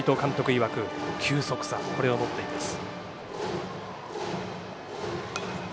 いわく球速差を持っています。